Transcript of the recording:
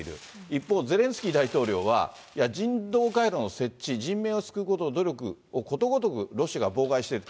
一方、ゼレンスキー大統領は、人道回廊の設置、人命を救うことを、努力をことごとくロシアが妨害している。